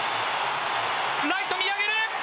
ライト、見上げる。